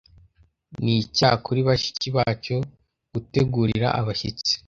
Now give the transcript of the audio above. Ni icyaha kuri bashiki bacu gutegurira abashyitsi